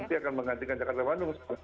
nanti akan menggantikan jakarta bandung